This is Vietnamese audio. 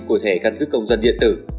của thẻ căn cước công dân điện tử